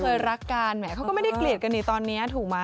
เค้าเคยรักกันเค้าก็ไม่ได้เกลียดกันตอนนี้ถูกมะ